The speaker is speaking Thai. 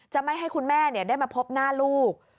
ไม่ให้คุณแม่ได้มาพบหน้าลูก